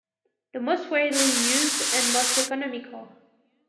The most widely used and most economical.